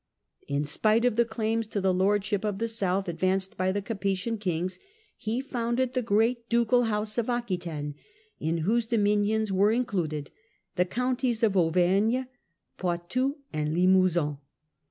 In spite of the claims to the lordship of the South advanced by the Capetian kings, he founded the great ducal house of Aquitaine, in whose dominions were included the counties of Auvergne, Poitou and the Limousin.